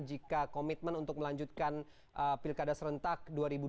jika komitmen untuk melanjutkan pilkada serentak dua ribu dua puluh